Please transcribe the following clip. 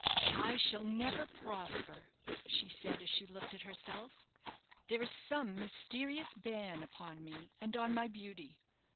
"I shall never prosper," she said, as she looked at herself. "There is some mysterious ban upon me, and on my beauty.